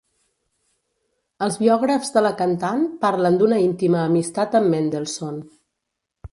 Els biògrafs de la cantant parlen d'una íntima amistat amb Mendelssohn.